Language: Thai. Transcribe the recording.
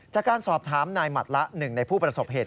จากการสอบถามนายหมัดละหนึ่งในผู้ประสบเหตุ